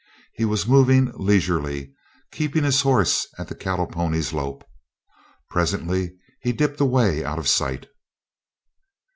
He was moving leisurely, keeping his horse at the cattle pony's lope. Presently he dipped away out of sight.